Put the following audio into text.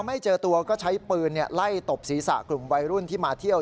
ไม่เจอตัวก็ใช้ปืนไล่ตบศีรษะกลุ่มวัยรุ่นที่มาเที่ยว